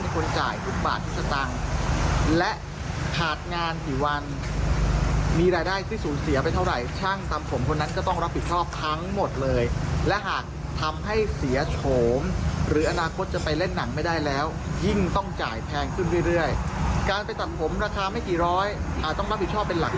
การไปตัดผมราคาไม่กี่ร้อยต้องรับผิดชอบเป็นหลักล้างถ้าคุณประมาทเลิศตัดหูเขาแบบนี้